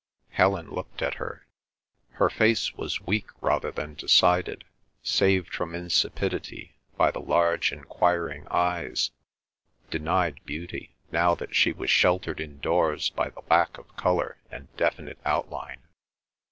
Helen looked at her. Her face was weak rather than decided, saved from insipidity by the large enquiring eyes; denied beauty, now that she was sheltered indoors, by the lack of colour and definite outline.